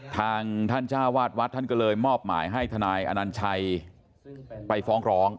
ทางท่านจ้าวาดวัดท่านก็เลยมอบหมายให้ทนายอนัญชัยไปฟ้องร้อง